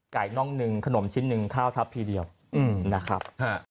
น่องหนึ่งขนมชิ้นหนึ่งข้าวทับทีเดียวนะครับ